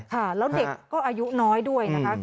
ค่ะแล้วเด็กก็อายุน้อยด้วยนะคะ